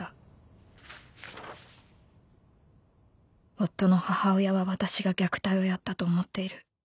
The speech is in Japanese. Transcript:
「夫の母親は私が虐待をやったと思っている」